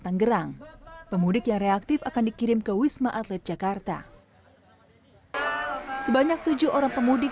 tanggerang pemudik yang reaktif akan dikirim ke wisma atlet jakarta sebanyak tujuh orang pemudik